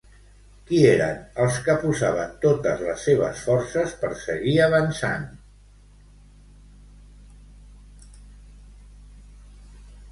Qui eren els que posaven totes les seves forces per seguir avançant?